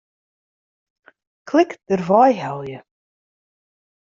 Klik Dêrwei helje.